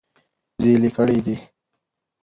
زېلې کړي دي -